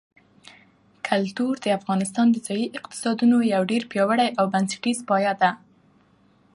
کلتور د افغانستان د ځایي اقتصادونو یو ډېر پیاوړی او بنسټیز پایایه دی.